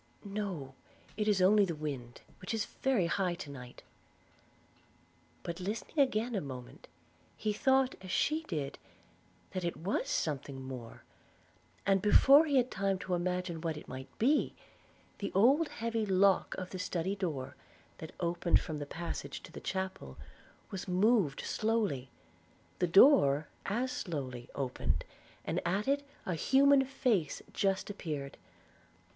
'No – it is only the wind, which is very high to night.' But listening again a moment, he thought, as she did, that it was something more; and before he had time to imagine what it might be, the old heavy lock of the study door, that opened from the passage to the chapel, was moved slowly; the door as slowly opened, and at it a human face just appeared.